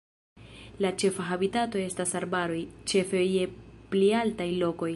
La ĉefa habitato estas arbaroj, ĉefe je pli altaj lokoj.